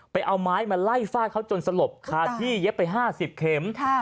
ไปเอาไม้มาไล่ฝากเขาจนสลบคาทีเเย็บไปห้าสิบเข็ม